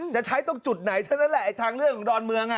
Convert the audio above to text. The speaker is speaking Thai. จะใช้ตรงจุดไหนเท่านั้นแหละไอ้ทางเรื่องของดอนเมือง